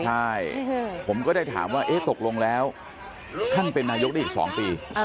ใช่ผมก็ได้ถามว่าตกลงแล้วท่านเป็นนายกได้อีก๒ปี